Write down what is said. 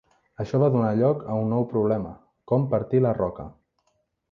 Això va donar lloc a un nou problema: com partir la roca.